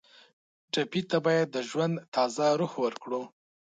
ټپي ته باید د ژوند تازه روح ورکړو.